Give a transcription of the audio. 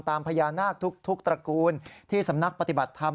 พญานาคทุกตระกูลที่สำนักปฏิบัติธรรม